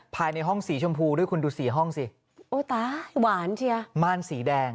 ภายในห้องสีชมพูด้วยคุณดูสี่ห้องสิโอ้ตายหวานเชียม่านสีแดง